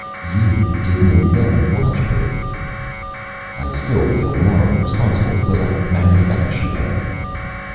"You didn't invent watchbird." "I still feel morally responsible because I manufacture them."